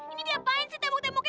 ini diapain sih temuk temuknya